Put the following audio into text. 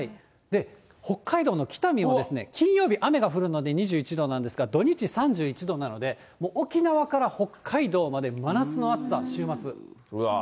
北海道の北見は金曜日、雨が降るので、２１度なんですが、土日３１度なので、もう沖縄から北海道まで、真夏の暑さ、うわぁ。